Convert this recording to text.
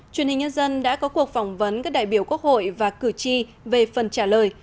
truyền hình nhân dân đã có cuộc phỏng vấn các đại biểu quốc hội và cử tri về phần trả lời